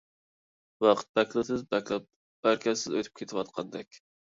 ۋاقىت بەكلا تېز، بەكلا بەرىكەتسىز ئۆتۈپ كېتىۋاتقاندەك.